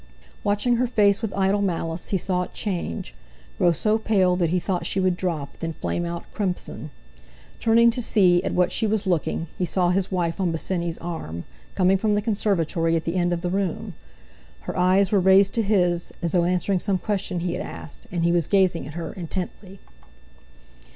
Watching her face with idle malice, he saw it change, grow so pale that he thought she would drop, then flame out crimson. Turning to see at what she was looking, he saw his wife on Bosinney's arm, coming from the conservatory at the end of the room. Her eyes were raised to his, as though answering some question he had asked, and he was gazing at her intently.